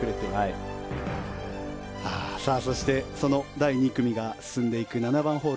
そして、その第２組が進んでいく７番ホール